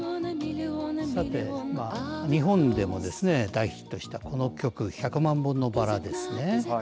さて、日本でもですね大ヒットした、この曲百万本のバラですね。